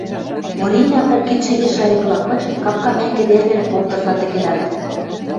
Оринӓ, кок кидшӹге шайыкыла кычен, капка мӓнгӹ тервен комдыкла тӹкӹлӓлт